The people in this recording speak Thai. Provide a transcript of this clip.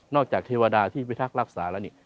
จากเทวดาที่พิทักษ์รักษาแล้วนี่